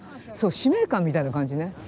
そう使命感みたいな感じね